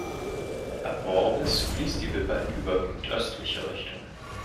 Ab Worbis fließt die Wipper in überwiegend östliche Richtung.